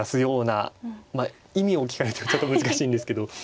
まあ意味を聞かれるとちょっと難しいんですけど。